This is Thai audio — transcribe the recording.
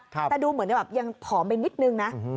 แต่ดูเหมือนแบบยังผอมไปนิดนึงนะ